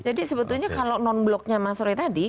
jadi sebetulnya kalau non blocknya mas riz tadi